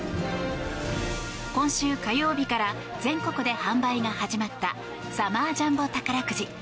今週火曜日から全国で販売が始まったサマージャンボ宝くじ。